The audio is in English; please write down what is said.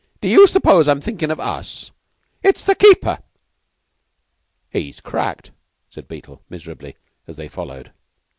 "D'you suppose I'm thinkin' of us? It's the keeper." "He's cracked," said Beetle, miserably, as they followed.